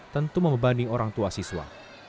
tentu membebani orang tua siswa